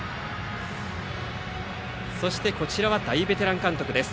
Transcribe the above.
そして、こちらは大ベテラン監督です。